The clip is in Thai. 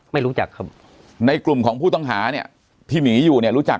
ไม่รู้จักครับในกลุ่มของผู้ต้องหาเนี่ยที่หนีอยู่เนี่ยรู้จัก